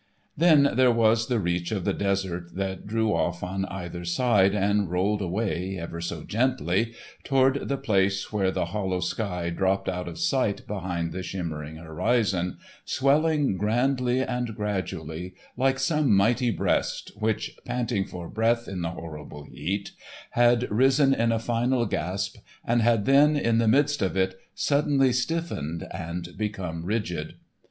Then there was the reach of the desert that drew off on either hand and rolled away, ever so gently, toward the place where the hollow sky dropped out of sight behind the shimmering horizon, swelling grandly and gradually like some mighty breast which, panting for breath in the horrible heat, had risen in a final gasp and had then, in the midst of it, suddenly stiffened and become rigid.